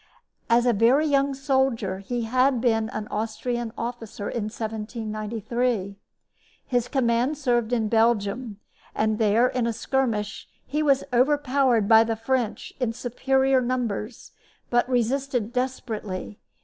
As a very young soldier he had been an Austrian officer in 1793. His command served in Belgium; and there, in a skirmish, he was overpowered by the French in superior numbers, but resisted desperately.